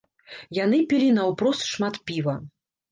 Яны пілі наўпрост шмат піва.